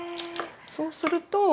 そうすると。